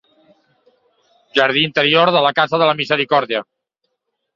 Jardí interior de la Casa de la Misericòrdia.